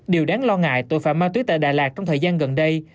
điều đáng lo ngại tội phạm ma túy tại đà lạt trong thời gian gần đây